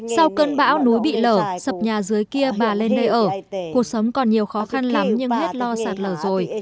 sau cơn bão núi bị lở sập nhà dưới kia bà lên nơi ở cuộc sống còn nhiều khó khăn lắm nhưng hết lo sạt lở rồi